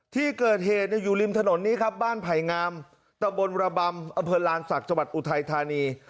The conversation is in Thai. ที่เกิดเหตุอยู่ริมถนนนี้ครับบ้านไผ่งามตะบนระบำอำเภอลานศักดิ์จังหวัดอุทัยธานี